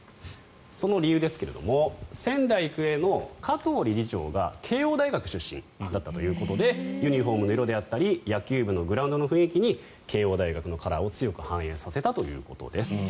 その理由ですが仙台育英の加藤理事長が慶応大学出身だったということでユニホームの色であったり野球部のグラウンドの雰囲気に慶応大学のカラーが強く反映されたということです。